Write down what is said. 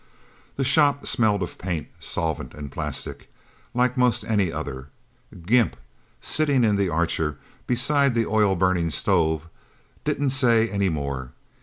The shop smelled of paint, solvent and plastic, like most any other. Gimp, sitting in the Archer, beside the oil burning stove, didn't say any more.